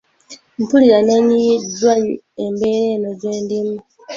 Mpulira neenyiyiddwa embeera eno gye ndimu.